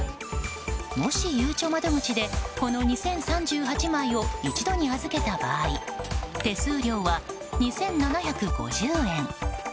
もし郵貯窓口でこの２０３８枚を一度に預けた場合手数料は２７５０円。